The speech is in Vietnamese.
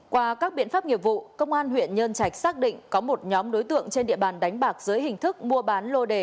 qua các biện pháp nghiệp vụ công an huyện nhân trạch xác định có một nhóm đối tượng trên địa bàn đánh bạc dưới hình thức mua bán lô đề